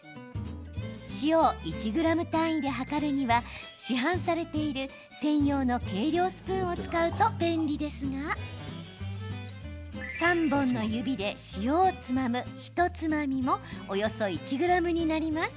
塩を１ｇ単位で量るには市販されている専用の計量スプーンを使うと便利ですが３本の指で塩をつまむひとつまみもおよそ１ｇになります。